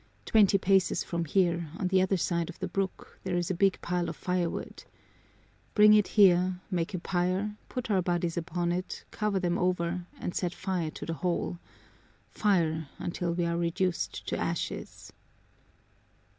Twenty paces from here, on the other side of the brook, there is a big pile of firewood. Bring it here, make a pyre, put our bodies upon it, cover them over, and set fire to the whole fire, until we are reduced to ashes!"